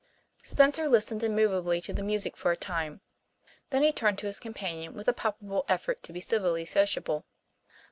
Spencer listened immovably to the music for a time. Then he turned to his companion with a palpable effort to be civilly sociable.